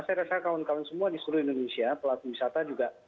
saya rasa kawan kawan semua di seluruh indonesia pelaku wisata juga